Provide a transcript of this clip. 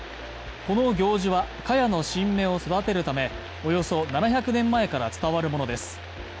この行事は、かやの新芽を育てるためおよそ７００年前から伝わるものです